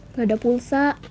gak ada pulsa